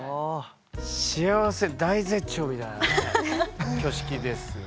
幸せ大絶頂みたいな挙式ですね。